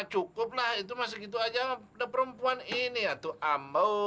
cukup lah itu masih gitu aja udah perempuan ini ya tuh ambo